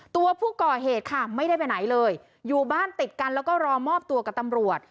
ตัวผู้ก่อเหตุค่ะไม่ได้ไปไหนเลยอยู่บ้านติดกันแล้วก็รอมอบตัวกับตำรวจ